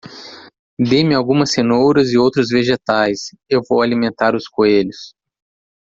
Dê-me algumas cenouras e outros vegetais. Eu vou alimentar os coelhos.